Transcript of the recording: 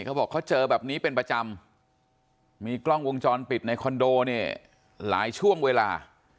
เขาบอกเขาเจอแบบนี้เป็นประจำมีกล้องวงจรปิดในคอนโดเนี่ยหลายช่วงเวลา